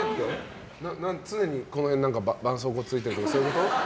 常に、この辺ばんそうこうついてるとかそういうこと？